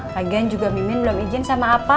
bagian juga mimin belum izin sama apa